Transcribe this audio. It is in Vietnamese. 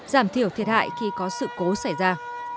giảm thiểu thiệt hại khi có sự cố xảy ra